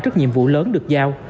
trước nhiệm vụ lớn được giao